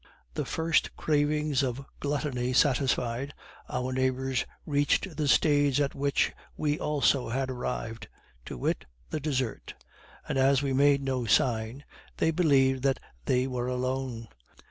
The first cravings of gluttony satisfied, our neighbors reached the stage at which we also had arrived, to wit, the dessert; and, as we made no sign, they believed that they were alone.